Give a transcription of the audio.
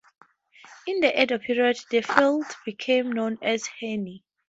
In the Edo period, the fiefs became known as "han".